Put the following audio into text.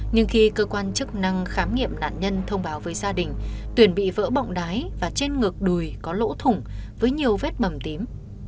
nhưng khi cơ quan chức năng khám nghiệm nạn nhân thông báo với gia đình tuyền bị vỡ bọng đái và trên ngược đùi có lỗ thủng với nhiều vết bầm tím